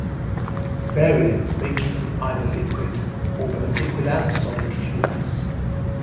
Variants make use of either liquid or both liquid and solid fuels.